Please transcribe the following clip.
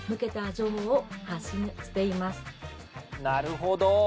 なるほど。